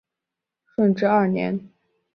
顺治二年。